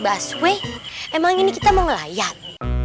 baswe emang ini kita mau ngelayak